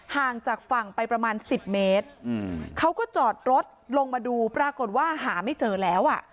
ห่างจากฝั่งไปประมาณ๑๐เมตรเขาก็จอดรถลงมาดูปรากฏว่าหาไม่เจอแล้วอ่ะ